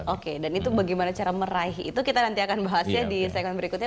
oke dan itu bagaimana cara meraih itu kita nanti akan bahasnya di segmen berikutnya